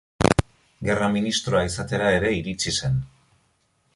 Gerra Ministroa izatera ere iritsi zen.